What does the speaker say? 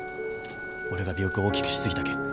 俺が尾翼を大きくしすぎたけん。